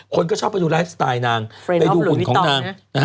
คนก็ชอบไปดูไลฟ์สไตล์นางไปดูหุ่นของนางนะฮะ